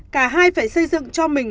cả hai phải xây dựng cho mình